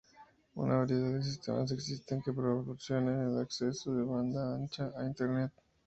Una variedad de sistemas existen que proporcionen el acceso de banda ancha a Internet.